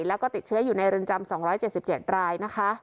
แล้วก็ติดเชื้ออยู่ในรินจำสองร้อยเจ็ดสิบเจ็ดรายนะคะ